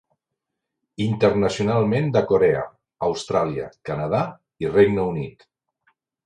Internacionalment de Corea, Austràlia, Canadà i Regne Unit.